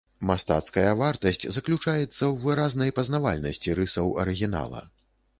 Мастацкая вартасць заключаецца ў выразнай пазнавальнасці рысаў арыгінала.